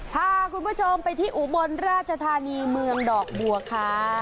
พาคุณผู้ชมไปที่อุบลราชธานีเมืองดอกบัวค่ะ